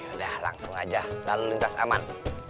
udah langsung aja lalu lintas aman